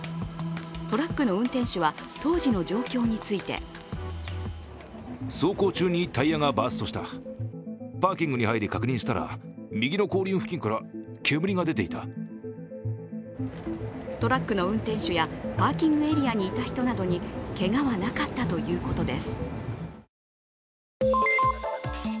トラックの運転手は当時の状況についてトラックの運転手やパーキングエリアにいた人などにけがはなかったということです。